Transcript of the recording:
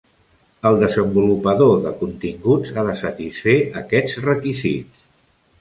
El desenvolupador de continguts ha de satisfer aquests requisits.